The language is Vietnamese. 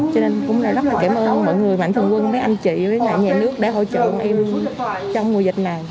cho nên cũng rất là cảm ơn mọi người mạnh thường quân mấy anh chị với lại nhà nước để hỗ trợ em trong mùa dịch này